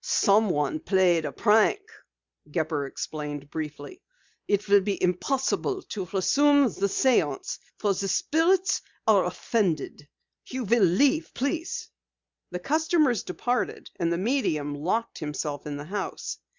"Someone played a prank," Gepper explained briefly. "It will be impossible to resume the séance for the spirits are offended. You will leave, please." The customers departed and the medium locked himself in the house.